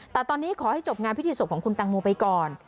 แต่ตอนนี้ขอให้จบงานพิธีศพของคุณตังโมไปก่อน